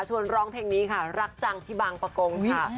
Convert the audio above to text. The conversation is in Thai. ร้องเพลงนี้ค่ะรักจังที่บางประกงค่ะ